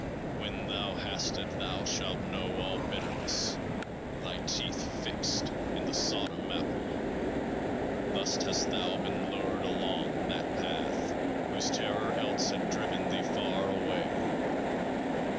When thou hast it thou shalt know all bitterness, thy teeth fixed in the Sodom Apple. Thus hast thou been lured along That Path, whose terror else had driven thee far away.